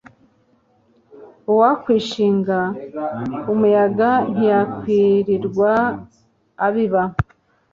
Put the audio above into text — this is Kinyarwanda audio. uwakwishinga umuyaga, ntiyakwirirwa abiba